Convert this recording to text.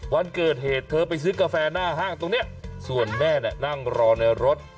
วันเกิดเหตุเธอไปซื้อกาแฟหน้าห้างตรงนี้ส่วนแม่เนี่ยนั่งรอในรถ